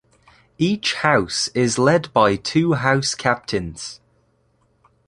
Each house is led by two house captains.